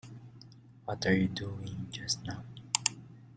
What are you doing just now?